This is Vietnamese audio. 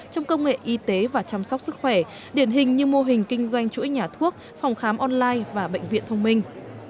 trong công nghệ y tế và chăm sóc sức khỏe điển hình như mô hình kinh doanh chuỗi nhà thuốc phòng khám online và bệnh viện thông minh